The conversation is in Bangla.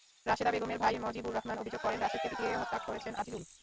রাশেদা বেগমের ভাই মজিবর রহমান অভিযোগ করেন, রাশেদাকে পিটিয়ে হত্যা করেছেন আজিজুল।